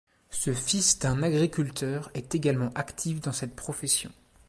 Ce fils d'un agriculteur est également actif dans cette profession.